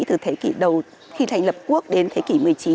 từ thế kỷ đầu khi thành lập quốc đến thế kỷ một mươi chín